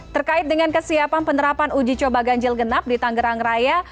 terkait dengan kesiapan penerapan uji coba ganjil genap di tangerang raya